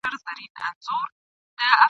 اسمان نیولي سترګي دي برندي ..